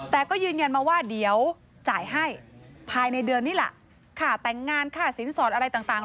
แต่ก็ยืนยันมาว่าเดี๋ยวจ่ายให้ภายในเดือนนี้ล่ะค่าแต่งงานค่าสินสอดอะไรต่าง